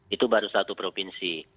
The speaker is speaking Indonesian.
itu baru satu provinsi